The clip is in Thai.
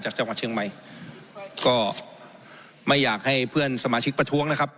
จังหวัดเชียงใหม่ก็ไม่อยากให้เพื่อนสมาชิกประท้วงนะครับ